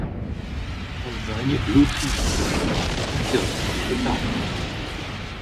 L'Allemagne, l'Autriche ou la Suisse l'ont interdit ou retardé.